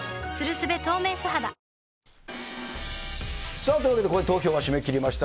さあ、というわけで投票は締め切りました。